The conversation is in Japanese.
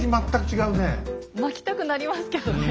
まきたくなりますけどね。